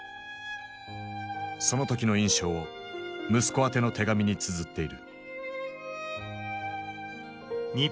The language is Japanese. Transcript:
その時の印象を息子宛ての手紙につづっている。